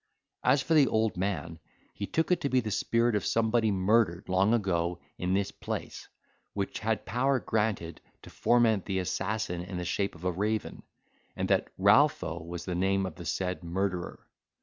As for the old man, he took it to be the spirit of somebody murdered long ago in this place, which had power granted to forment the assassin in the shape of a raven, and that Ralpho was the name of the said murderer.